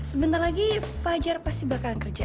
sebentar lagi fajar pasti bakal kerja